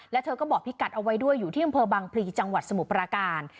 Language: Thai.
แล้วเธอก็บอกพี่กัดเอาไว้ด้วยอยู่ที่อำเภอบังพลีจังหวัดสมุทรปราการ